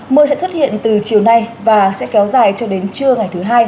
mưa sẽ xuất hiện từ chiều nay và sẽ kéo dài cho đến trưa ngày thứ hai